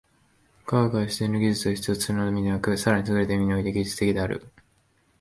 科学は思惟の技術を必要とするのみでなく、更にすぐれた意味において技術的である。